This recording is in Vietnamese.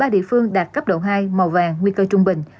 một mươi ba địa phương đạt cấp độ hai màu vàng nguy cơ trung bình